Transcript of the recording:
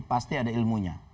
pasti ada ilmunya